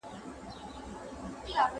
د لمبې ورسته لرګی و سکور ته اوړي